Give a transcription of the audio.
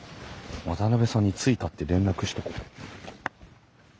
渡さんに着いたって連絡しとこ。